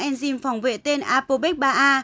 enzim phòng vệ tên apobex ba a